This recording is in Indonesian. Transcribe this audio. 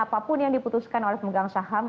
apapun yang diputuskan oleh pemegang saham